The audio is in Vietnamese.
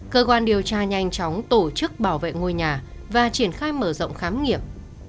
cơ quan điều tra nhanh chóng tổ chức bảo vệ ngôi nhà và triển khai mở rộng khám nghiệm